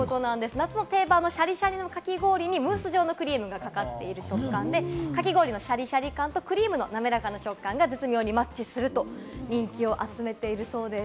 夏の定番のシャリシャリのかき氷にムース状のクリームがかかっている食感でかき氷のシャリシャリ感とクリームの滑らかな食感が絶妙にマッチすると人気を集めているそうです。